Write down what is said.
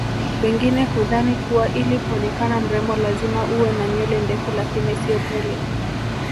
wengine hudhani kuwa ili kuonekana mrembo lazima uwe na nywele ndefu lakini sio kweli